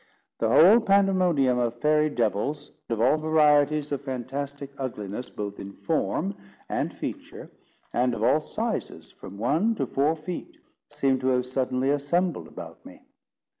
The whole pandemonium of fairy devils, of all varieties of fantastic ugliness, both in form and feature, and of all sizes from one to four feet, seemed to have suddenly assembled about me.